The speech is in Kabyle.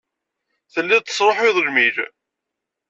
Telliḍ tesṛuḥuyeḍ lmil.